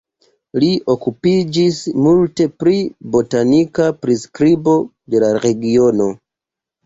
Li okupiĝis multe pri botanika priskribo de la regiono.